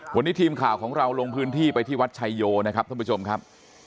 วันนี้ทีมข่าวของเราลงพื้นที่ไปที่วัดชายโยนะครับท่านผู้ชมครับ